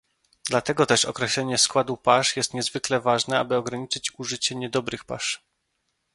Dlatego też określenie składu pasz jest niezwykle ważne, aby ograniczyć użycie niedobrych pasz